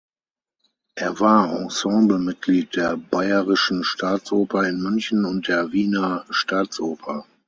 Er war Ensemblemitglied der Bayerischen Staatsoper in München und der Wiener Staatsoper.